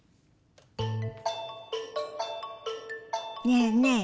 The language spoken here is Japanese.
ねえねえ